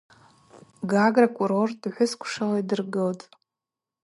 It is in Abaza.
Гагра курорт гӏвысквшала йдыргылтӏ.